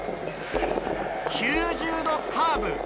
９０度カーブ。